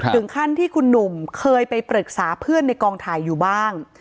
ถึงขั้นที่คุณหนุ่มเคยไปปรึกษาเพื่อนในกองถ่ายอยู่บ้าง